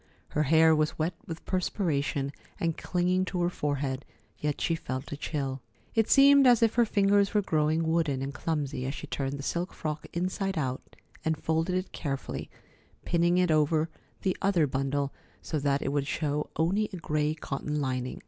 Her hair was wet with perspiration and clinging to her forehead, yet she felt a chill. It seemed as if her fingers were growing wooden and clumsy as she turned the silk frock inside out and folded it carefully, pinning it over the other bundle, so that it would show only a gray cotton lining.